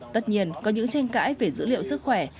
tất nhiên có những tranh cãi về dữ liệu sức khỏe